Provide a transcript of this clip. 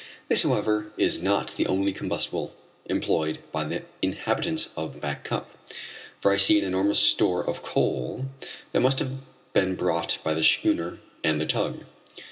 This, however, is not the only combustible employed by the inhabitants of Back Cup, for I see an enormous store of coal that must have been brought by the schooner and the tug.